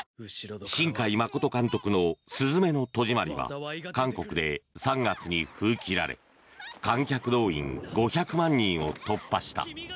新海誠監督の「すずめの戸締まり」は韓国で３月に封切られ観客動員５００万人を突破した。